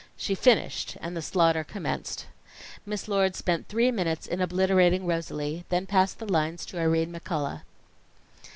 She finished; and the slaughter commenced. Miss Lord spent three minutes in obliterating Rosalie; then passed the lines to Irene McCullough.